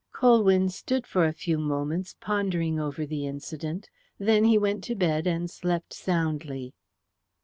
Colwyn stood for a few moments pondering over the incident. Then he went to bed and slept soundly.